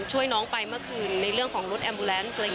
ช่วยน้องไปเมื่อคืนในเรื่องของรถแอมบูแลนซ์